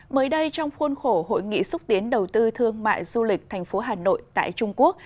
mới đây trong khuôn khổ hội nghị xúc tiến đầu tư thương mại du lịch thành phố hà nội tại trung quốc